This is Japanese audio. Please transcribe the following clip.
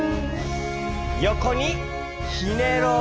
よこにひねろう！